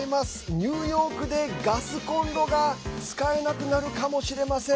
ニューヨークでガスコンロが使えなくなるかもしれません。